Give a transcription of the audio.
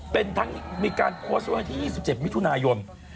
เป็นทั้งมีการโพสเวอร์ที่๒๗มิถุนายน